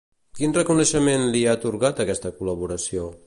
Quin reconeixement li ha atorgat aquesta col·laboració?